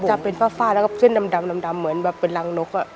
จะเป็นฟ้าแล้วก็เส้นดำเหมือนแบบเป็นรังนก